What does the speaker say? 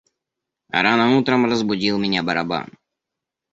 Рано утром разбудил меня барабан.